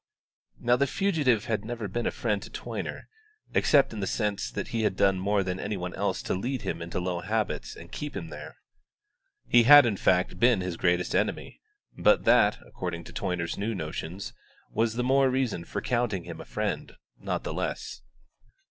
Now the fugitive had been never a friend to Toyner, except in the sense that he had done more than any one else to lead him into low habits and keep him there. He had, in fact, been his greatest enemy; but that, according to Toyner's new notions, was the more reason for counting him a friend, not the less.